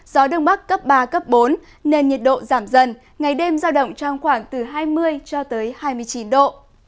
gió đông bắc cấp ba cấp bốn nên nhiệt độ giảm dần ngày đêm giao động trong khoảng từ hai mươi cho tới hai mươi chín độ